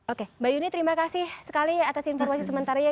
oke mbak yuni terima kasih sekali atas informasi sementaranya